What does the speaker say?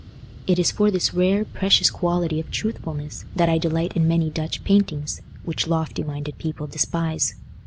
It is for this rare, precious quality of truthfulness that I delight in many Dutch paintings, which lofty minded people despise.